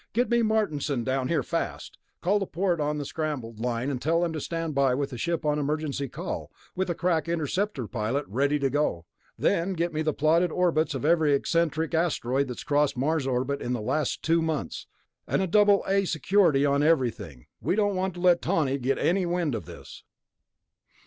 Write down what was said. "Get me Martinson down here, and fast. Call the port on a scrambled line and tell them to stand by with a ship on emergency call, with a crack interceptor pilot ready to go. Then get me the plotted orbits of every eccentric asteroid that's crossed Mars' orbit in the last two months. And double A security on everything ... we don't want to let Tawney get wind of this...."